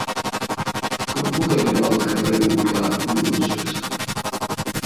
Com puc arribar al carrer de Montclar número setze?